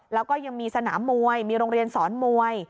แล้วก็ยังมีสนามมวยมีโรงเรียนสอนมวย